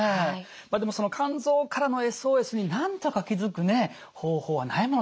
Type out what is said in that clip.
まあでもその肝臓からのＳＯＳになんとか気付くね方法はないものでしょうか？